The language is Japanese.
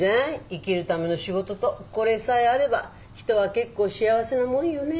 生きるための仕事とこれさえあれば人は結構幸せなもんよね。